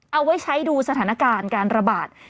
เอาไว้ใช้ดูสถานการณ์การระบาด